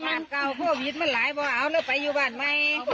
บ้านเก่าพ่อวิทย์มันหลายบอกเอานะไปอยู่บ้านใหม่